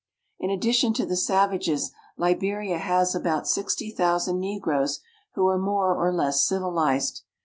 In addition to the savages, Liberia has about sixty thousand negroes who are more or less civilized.